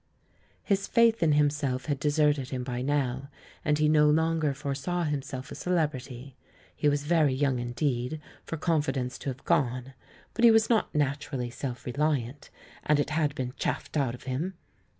His faith in himself had deserted him by now, and he no longer foresaw himself a celebrity. He was very young indeed for confidence to have gone, but he was not naturally self reliant, and it had been chajBPed out of him.